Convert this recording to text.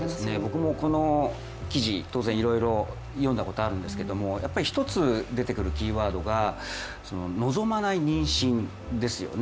僕もこの記事、当然、いろいろと読んだことがあるんですけど、一つ出てくるキーワードが望まない妊娠ですよね。